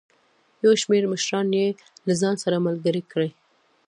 یو شمېر مشران یې له ځان سره ملګري کړي.